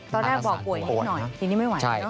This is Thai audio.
ตอนแรกบอกป่วยนิดหน่อยทีนี้ไม่ไหว